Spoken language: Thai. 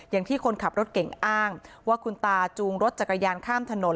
อย่างที่คนขับรถเก่งอ้างว่าคุณตาจูงรถจักรยานข้ามถนน